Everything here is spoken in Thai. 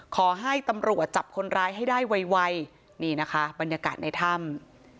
ขอให้ตำรวจจับคนร้ายให้ได้ไวนี่นะคะบรรยากาศในถ้ำ